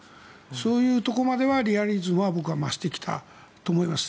そういうところまではリアリズムは増してきたと思います。